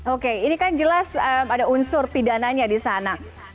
oke ini kan jelas ada unsur pidananya di sana